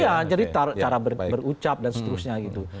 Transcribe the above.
iya jadi cara berucap dan seterusnya gitu